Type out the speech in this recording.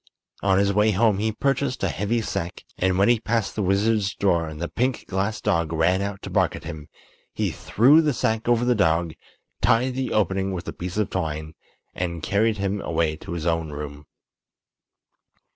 On his way home he purchased a heavy sack, and when he passed the wizard's door and the pink glass dog ran out to bark at him he threw the sack over the dog, tied the opening with a piece of twine, and carried him away to his own room.